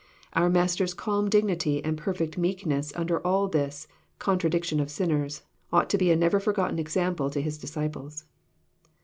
Our Master's calm dignity and perfect meekness under all this '* contradiction of sinners " ought to be a never forgot ten example to His disciples.